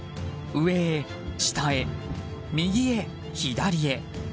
上へ下へ、右へ左へ。